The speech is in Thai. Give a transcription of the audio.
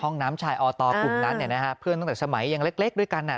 ห้องน้ำฉายออตอกลุ่มนั้นเพื่อนตั้งแต่สมัยอย่างเล็กด้วยกัน